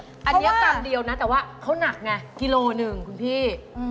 อันนี้กรัมเดียวนะแต่ว่าเขาหนักไงกิโลหนึ่งคุณพี่